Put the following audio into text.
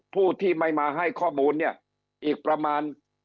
ผู้ที่ไม่มาให้ข้อมูลเนี่ยอีกประมาณ